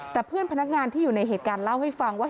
แต่เพื่อนพนักงานที่อยู่ในเหตุการณ์เล่าให้ฟังว่า